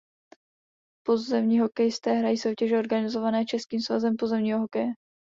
Pozemní hokejisté hrají soutěže organizované Českým svazem pozemního hokeje.